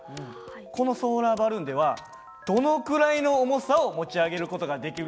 このソーラーバルーンではどのくらいの重さを持ち上げる事ができるでしょうかという問題です。